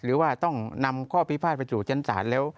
หรือว่าต้องนำข้อพิพาทไปสู่ชั้นศาลแล้ว